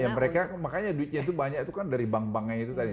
ya mereka makanya duitnya itu banyak itu kan dari bank banknya itu tadi